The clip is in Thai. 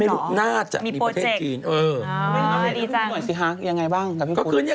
รอบแสงว่ามีไปเล่นอะไรกับที่นู้นหรอ